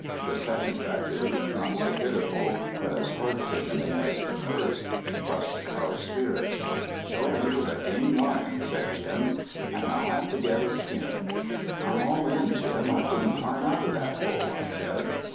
The second tragedy, not so pitiful but as heart sickening as the first, crushed our spirits. "Shore he was a game lion," said Jim. "An' I'll have to get his skin." "I'm all in, Jim. I couldn't climb out of that hole." I said.